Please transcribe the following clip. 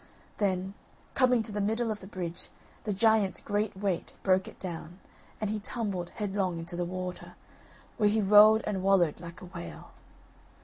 Then, coming to the middle of the bridge, the giant's great weight broke it down, and he tumbled headlong into the water, where he rolled and wallowed like a whale.